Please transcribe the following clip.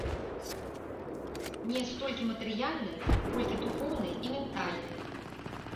Не столькі матэрыяльнай, колькі духоўнай і ментальнай.